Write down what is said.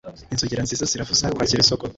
Inzogera nziza ziravuza Kwakira isoko;